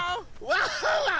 ワンワン！